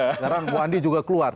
sekarang bu andi juga keluar